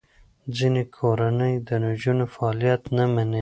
ځینې کورنۍ د نجونو فعالیت نه مني.